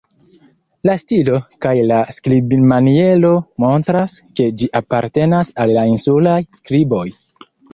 La stilo kaj la skribmaniero montras, ke ĝi apartenas al la insulaj skriboj.